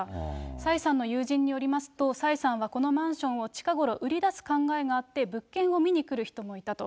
蔡さんの友人によりますと、蔡さんはこのマンションを近頃売り出す考えがあって、物件を見に来る人もいたと。